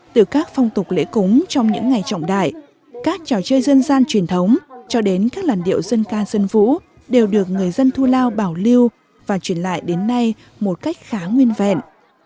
từ các phong tục lễ cúng trong những ngày trọng đại các trò chơi dân gian truyền thống cho đến các làn điệu dân ca dân vũ đều được người dân thu lao bảo lưu và truyền lại đến nay một cách khá nguyên vẹn